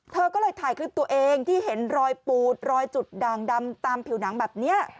เธอก็เลยถ่ายคลิปตัวเองที่เห็นรอยปูดรอยจุดด่างดำตามผิวหนังแบบนี้